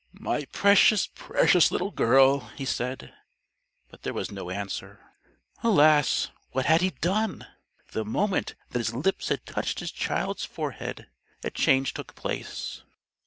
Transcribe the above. "My precious, precious little girl!" he said, but there was no answer. Alas! what had he done? The moment that his lips had touched his child's forehead, a change took place.